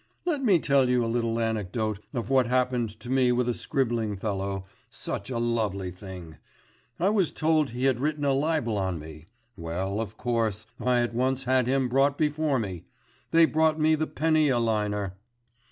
Let me tell you a little anecdote of what happened to me with a scribbling fellow such a lovely thing. I was told he had written a libel on me. Well, of course, I at once had him brought before me. They brought me the penny a liner.